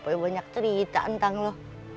aku juga banyak cerita tentang lo